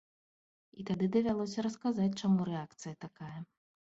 І тады давялося расказваць, чаму рэакцыя такая.